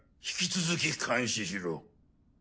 引き続き監視しろ。